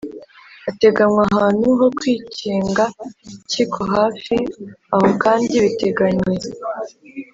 hateganywa ahantu ho kwikinga cy’ikohafi aho kandi biteganye